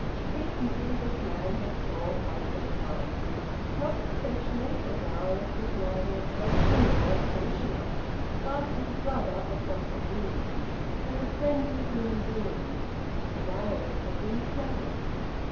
Recently this man had called once or twice; not professionally, for Darius was neither a churchman nor a parishioner, but as a brother of Dr Heve's, as a friendly human being, and Darius had been flattered.